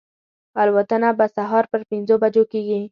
الوتنه به سهار پر پنځو بجو کېږي.